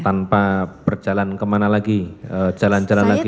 tanpa berjalan kemana lagi jalan jalan lagi